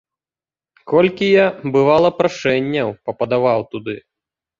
Колькі я, бывала, прашэнняў пападаваў туды.